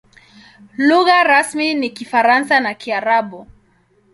Lugha rasmi ni Kifaransa na Kiarabu.